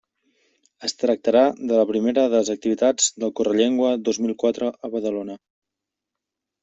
Es tractarà de la primera de les activitats del Correllengua dos mil quatre a Badalona.